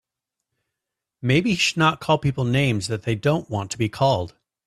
Maybe he should not call people names that they don't want to be called.